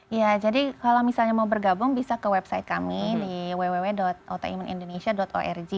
iya jadi kalau misalnya mau bergabung bisa ke website kami di www autoimunindonesia org